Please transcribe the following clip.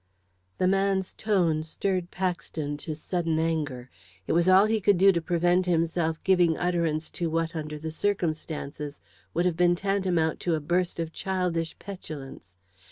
The man's tone stirred Paxton to sudden anger. It was all he could do to prevent himself giving utterance to what, under the circumstances, would have been tantamount to a burst of childish petulance.